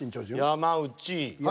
山内。